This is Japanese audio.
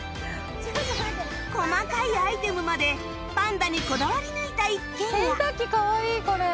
細かいアイテムまでパンダにこだわり抜いた一軒家洗濯機かわいいこれ。